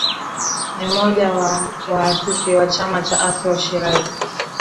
Ni mmoja wa waasisi wa Chama cha Afro Shirazi